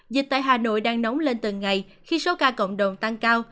dịch tại hà nội đang nóng lên từng ngày khi số ca cộng đồng tăng cao